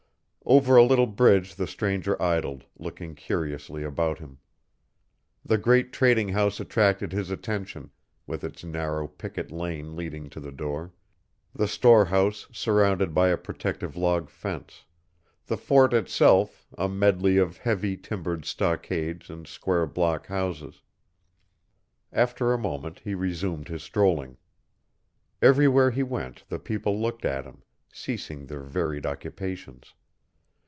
Over a little bridge the stranger idled, looking curiously about him. The great trading house attracted his attention, with its narrow picket lane leading to the door; the storehouse surrounded by a protective log fence; the fort itself, a medley of heavy timbered stockades and square block houses. After a moment he resumed his strolling. Everywhere he went the people looked at him, ceasing their varied occupations.